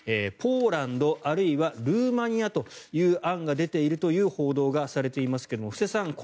ポーランド、あるいはルーマニアという案が出ているという報道がされていますが布施さん